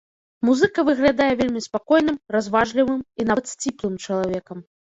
Музыка выглядае вельмі спакойным, разважлівым і нават сціплым чалавекам.